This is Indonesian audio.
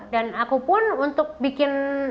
dan aku pun untuk bikin